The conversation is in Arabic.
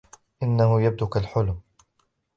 إنهُ يبدو كالحلم.